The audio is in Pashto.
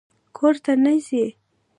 _کور ته نه ځې؟